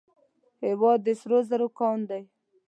هیواد د سرو زرو کان دی